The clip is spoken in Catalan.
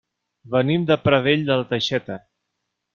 Venim de Pradell de la Teixeta.